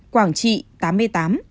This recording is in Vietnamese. quảng trị tám mươi tám